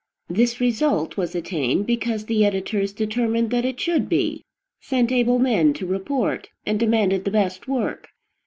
This result was attained because the editors determined that it should be, sent able men to report, and demanded the best work.